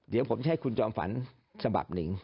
เดี๋ยวผมจะให้คุณจอมฝันฉบับหนึ่ง